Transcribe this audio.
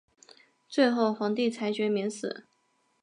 最后皇帝裁决免死。